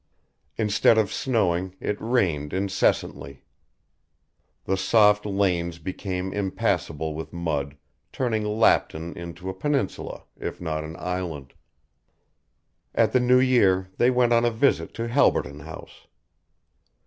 Instead of snowing it rained incessantly. The soft lanes became impassable with mud, turning Lapton into a peninsula, if not an island. At the New Year they went on a visit to Halberton House.